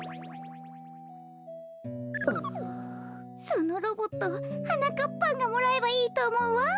そのロボットはなかっぱんがもらえばいいとおもうわ。